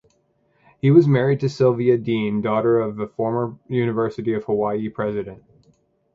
He was married to Sylvia Dean, daughter of a former University of Hawaii president.